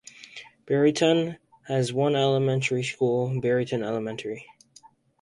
Barryton has one elementary school, Barryton Elementary.